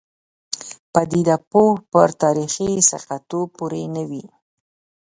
پدیده پوه پر تاریخي ثقه توب پورې نه وي.